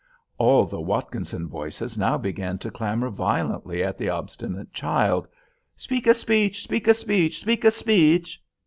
All the Watkinson voices now began to clamor violently at the obstinate child—"Speak a speech! speak a speech! speak a speech!"